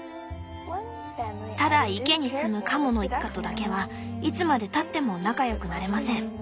「ただ池に住むカモの一家とだけはいつまでたっても仲良くなれません。